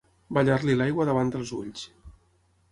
Ballar-li l'aigua davant dels ulls.